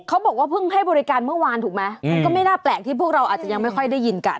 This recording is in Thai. เขาบอกว่าเพิ่งให้บริการเมื่อวานถูกไหมมันก็ไม่น่าแปลกที่พวกเราอาจจะยังไม่ค่อยได้ยินกัน